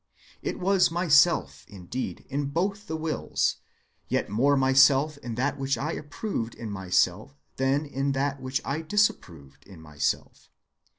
It was myself indeed in both the wills, yet more myself in that which I approved in myself than in that which I disapproved in myself.